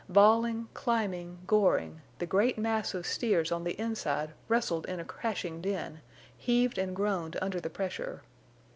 Bawling, climbing, goring, the great mass of steers on the inside wrestled in a crashing din, heaved and groaned under the pressure.